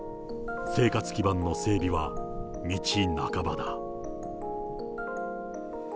生活基盤の整備は道半ばだ。